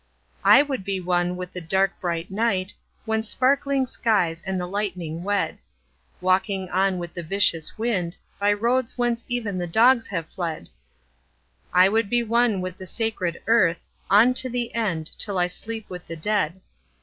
I would be one with the dark bright night When sparkling skies and the lightning wed— Walking on with the vicious wind By roads whence even the dogs have fled. I would be one with the sacred earth On to the end, till I sleep with the dead.